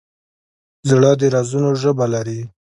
زړه د رازونو ژبه لري.